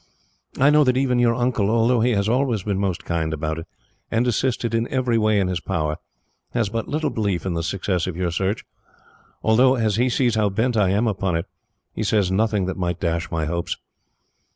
I know that even your uncle, although he has always been most kind about it, and assisted in every way in his power, has but little belief in the success of your search; although, as he sees how bent I am upon it, he says nothing that might dash my hopes.